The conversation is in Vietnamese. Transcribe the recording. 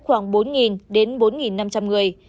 khoảng bốn đến bốn năm trăm linh người